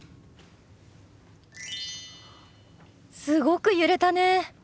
すごく揺れたね。